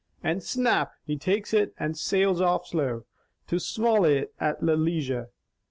and 'snap,' he takes it and sails off slow, to swally it at leisure.